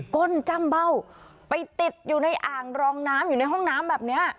ก้นจ้ำเบ้าไปติดอยู่ในอ่างรองน้ำอยู่ในห้องน้ำแบบนี้